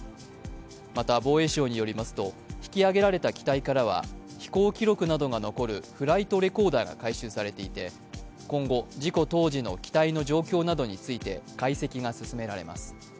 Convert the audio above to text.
また防衛省によりますと、引き揚げられた機体からは飛行記録などが残るフライトレコーダーが回収されていて今後、事故当時の機体の状況などについて解析が進められます。